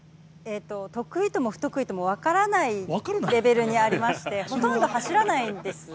得意とも不得意とも分からないレベルにありまして、ほとんど走らないんです。